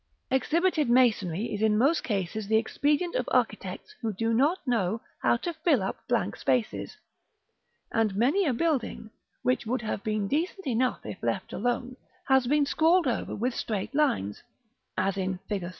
Exhibited masonry is in most cases the expedient of architects who do not know how to fill up blank spaces, and many a building, which would have been decent enough if let alone, has been scrawled over with straight lines, as in Fig.